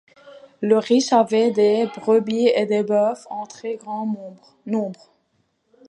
Le riche avait des brebis et des bœufs en très grand nombre.